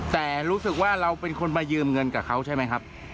แต่รู้สึกว่าเราเป็นคนมายืมเงินกับเขาใช่ไหมครับ